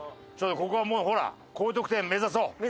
ちょっとここはもうほら高得点目指そう。